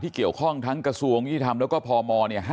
ที่เกี่ยวของทั้งกระทรวงยุติธรรมแล้วก็พมเนี่ย๕๘๐๐๐๐